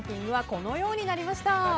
このようになりました。